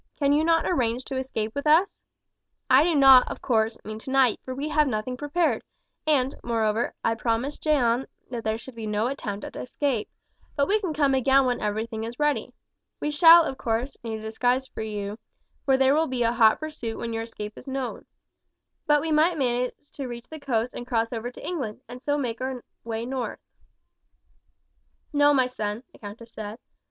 Cannot you arrange to escape with us? I do not, of course, mean tonight, for we have nothing prepared, and, moreover, I promised Jeanne that there should be no attempt at escape; but we can come again when everything is ready. We shall, of course, need a disguise for you, for there will be a hot pursuit when your escape is known. But we might manage to reach the coast and cross over to England, and so make our way north." "No, my son," the countess said.